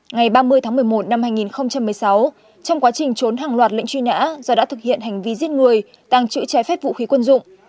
ngày ba mươi tháng một mươi một năm hai nghìn một mươi sáu trong quá trình trốn hàng loạt lệnh truy nã do đã thực hiện hành vi giết người tàng trữ trái phép vũ khí quân dụng